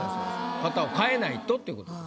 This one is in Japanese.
型を変えないとっていうことです。